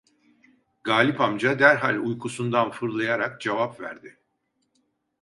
Galip amca derhal uykusundan fırlayarak cevap verdi: